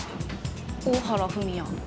大原史也